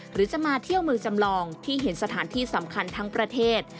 หรือจะมาเที่ยวมือจำลองที่เห็นสถานที่สำคัญทั้งประเทศ